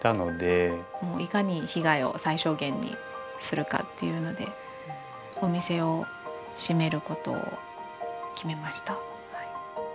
もういかに被害を最小限にするかっていうのでお店を閉めることを決めました。